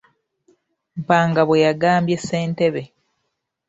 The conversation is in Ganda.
Mpanga bwe yagambye sentebbe.